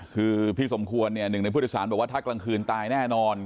คือพี่สมควรเนี่ยหนึ่งในผู้โดยสารบอกว่าถ้ากลางคืนตายแน่นอน